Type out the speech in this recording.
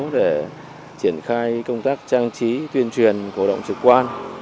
để triển khai công tác trang trí tuyên truyền cổ động trực quan